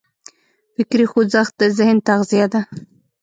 فکري خوځښت د ذهن تغذیه ده.